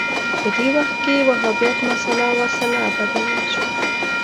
په دې وخت کې وهابیت مسأله وسله بدله شوه